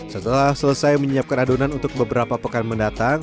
setelah selesai menyiapkan adonan untuk beberapa pekan mendatang